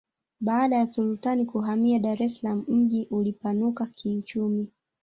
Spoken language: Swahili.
baada ya sultani kuhamia dar es salaam mji ulipanuka kiuchumi